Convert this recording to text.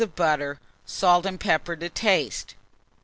of butter, salt and pepper to taste.